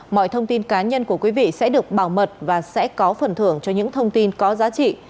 mọi thông tin cá nhân của quý vị sẽ được bảo mật và sẽ có phần thưởng cho những thông tin có giá trị